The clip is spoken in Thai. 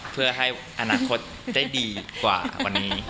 เพื่อให้อนาคตได้ดีกว่าวันนี้